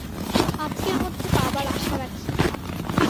আজকের মধ্যে পাবার আশা রাখি।